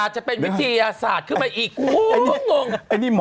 ใช่